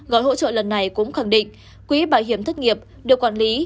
gói hỗ trợ lần này cũng khẳng định quỹ bảo hiểm thất nghiệp được quản lý